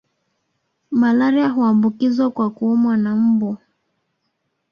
Malaria huambukizwa kwa kuumwa na mbu